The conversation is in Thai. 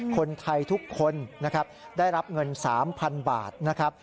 คนไทยทุกคนนะครับได้รับเงิน๓๐๐๐บาทนะครับ